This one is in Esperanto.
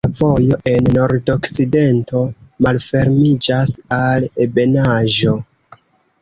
La sola vojo en nordokcidento malfermiĝas al ebenaĵo.